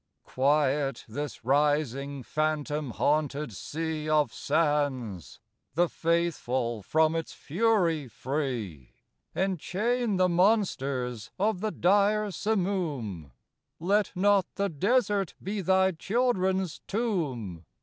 Quiet this rising phantom haunted sea Of sands; the Faithful from its fury free; Enchain the monsters of the dire simoom,— Let not the desert be thy children's tomb.